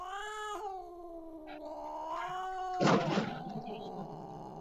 Orduan beste pertsona bat agertzen zen eta loteria txartela benetakoa zela baieztatzen zuen.